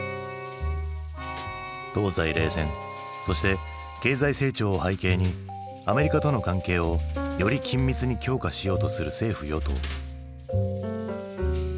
東西冷戦そして経済成長を背景にアメリカとの関係をより緊密に強化しようとする政府与党。